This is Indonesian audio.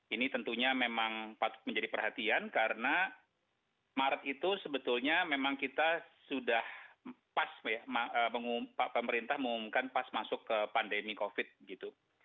ini tentunya memang patut menjadi perhatian karena maret itu sebetulnya memang kita sudah pas pemerintah mengumumkan pas masuk ke pandemi covid gitu